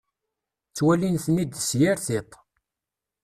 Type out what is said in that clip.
Ttwalin-ten-id s yir tiṭ.